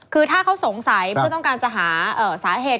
คือถ้าเขาสงสัยเพื่อต้องการจะหาสาเหตุ